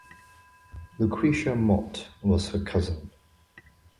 Lucretia Mott was her cousin.